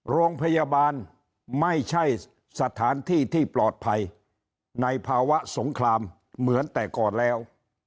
โรงพยาบาลไม่ใช่สถานที่ที่ปลอดภัยในภาวะสงครามเหมือนแต่ก่อนแล้ว